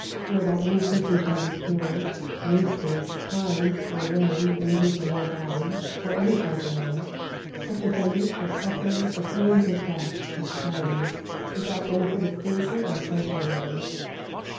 whereby any person shall be killed, wasted, pined, or lamed in his or her body or any part thereof, such offender shall suffer the pains of death as felons, without benefit of clergy or sanctuary."